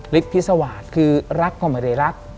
ฤทธิ์ภิษวาคือรักกว่าไม่ได้รัก